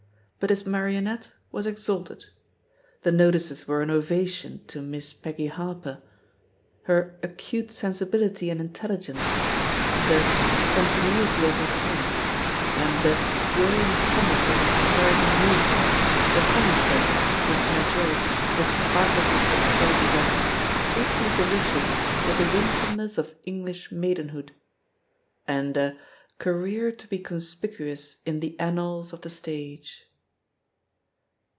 But his marionette was exalted. The no tices were an ovation to "Miss Peggy Harper." Her "acute sensibility and intelligence," the '^spontaneity of her talent," and the "brilliant promise of her surprising youth" were common places in panegyrics which sparkled with such phrases as "sweetly delicious with the winsome ness of English maidenhood," and a "career to be conspicuous in the annals of the Stage."